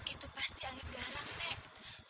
itu pasti angin garang nek